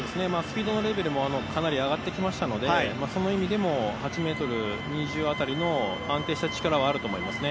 スピードのレベルもかなり上がってきましたので、８ｍ２０あたりの安定した力はあると思います。